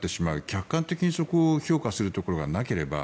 客観的にそこを評価するところがなければ。